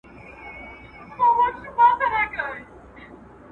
جملې کاپي او هلته یې پیسټ